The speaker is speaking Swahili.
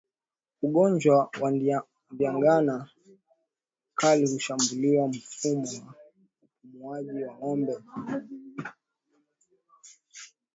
Ugonjwa wa ndigana kali hushambulia mfumo wa upumuaji wa ngombe